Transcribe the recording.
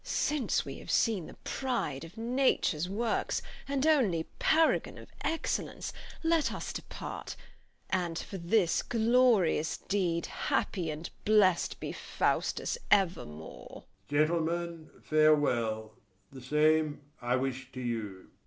FIRST SCHOLAR. Since we have seen the pride of Nature's works, And only paragon of excellence, Let us depart; and for this glorious deed Happy and blest be Faustus evermore!